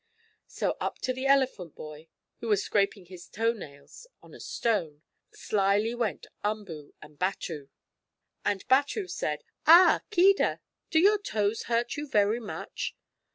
So up to the elephant boy, who was scraping his toe nails on a stone, slyly went Umboo and Batu. And Batu said: "Ah, Keedah! Do your toes hurt you very much?"